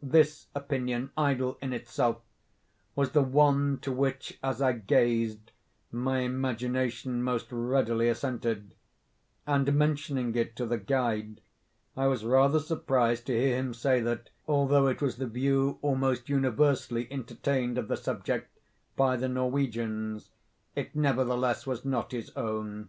This opinion, idle in itself, was the one to which, as I gazed, my imagination most readily assented; and, mentioning it to the guide, I was rather surprised to hear him say that, although it was the view almost universally entertained of the subject by the Norwegians, it nevertheless was not his own.